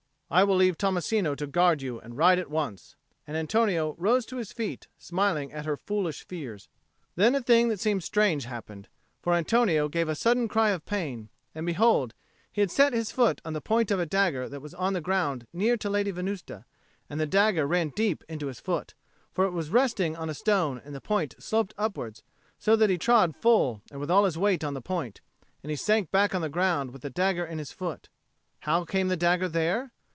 "I will leave Tommasino to guard you and ride at once," and Antonio rose to his feet, smiling at her for her foolish fears. Then a thing that seemed strange happened. For Antonio gave a sudden cry of pain. And behold, he had set his foot on the point of a dagger that was on the ground near to the Lady Venusta; and the dagger ran deep into his foot, for it was resting on a stone and the point sloped upwards, so that he trod full and with all his weight on the point; and he sank back on the ground with the dagger in his foot. How came the dagger there?